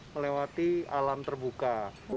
melewati alam terbuka